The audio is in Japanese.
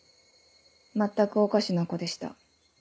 全くおかしな子でした。